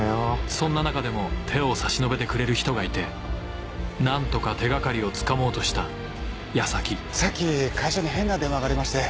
そんな中でも手を差し伸べてくれる人がいて何とか手掛かりをつかもうとした矢先さっき会社に変な電話がありまして。